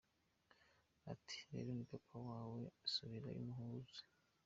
Ati : rero ni papa wawe, subirayo, umusuhuze.